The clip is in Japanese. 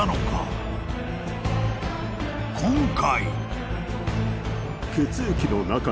［今回］